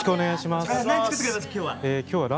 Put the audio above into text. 今日は。